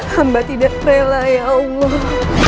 hamba tidak rela ya allah